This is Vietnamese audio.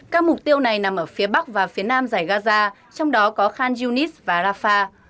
các mục tiêu này nằm ở phía bắc và phía nam giải gaza trong đó có khan yunis và rafah